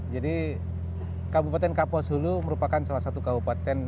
jadi kabupaten kaposulu merupakan salah satu kabupaten